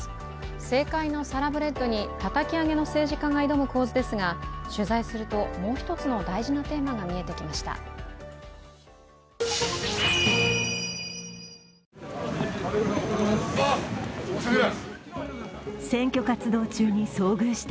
政界のサラブレッドにたたき上げの政治家が挑む構図ですが取材するともう一つの大事なテーマが見えてきました。